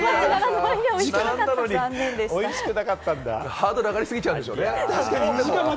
ハードル、上がり過ぎちゃうんでしょうねん